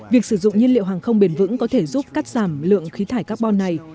việc sử dụng nhiên liệu hàng không bền vững có thể giúp cắt giảm lượng khí thải carbon này